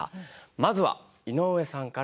まずは井上さんから。